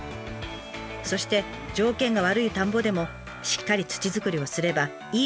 そして条件が悪い田んぼでもしっかり土作りをすればいい